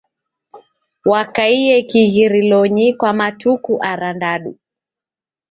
Wakaie kighirilonyi kwa matuku arandadu.